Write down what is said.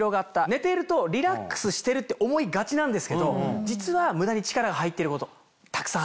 寝ているとリラックスしてるって思いがちなんですけど実は無駄に力が入ってることたくさんあるんです。